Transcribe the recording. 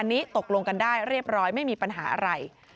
อันนี้ตกลงกันได้เรียบร้อยไม่มีปัญหาอะไร